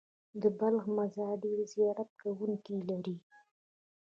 د بلخ مزار ډېر زیارت کوونکي لري.